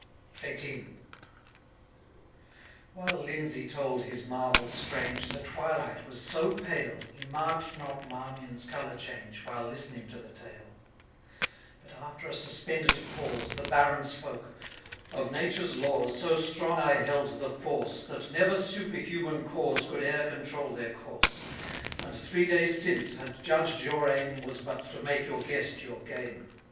XVIII. While Lindesay told his marvel strange, The twilight was so pale, He mark'd not Marmion's colour change, 365 While listening to the tale: But, after a suspended pause, The Baron spoke: 'Of Nature's laws So strong I held the force, That never superhuman cause 370 Could e'er control their course; And, three days since, had judged your aim Was but to make your guest your game.